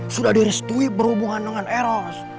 sudah direstui berhubungan dengan eros